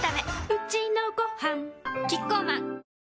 うちのごはんキッコーマン